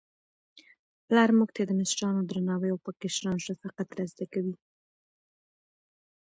پلار موږ ته د مشرانو درناوی او په کشرانو شفقت را زده کوي.